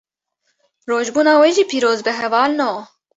Rojbûna we jî piroz be hevalno